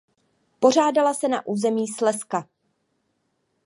Pořádala se na území Slezska.